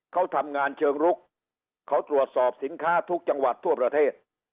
เขาทำงานเชิงลุกเขาตรวจสอบสินค้าทุกจังหวัดทั่วประเทศ